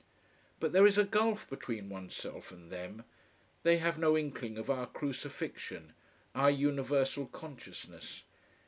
But there is a gulf between oneself and them. They have no inkling of our crucifixion, our universal consciousness.